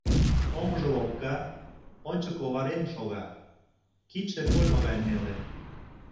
Оҥжо лопка, ончыко оварен шога, кидше кольмо гай неле.